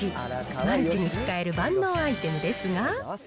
マルチに使える万能アイテムですが。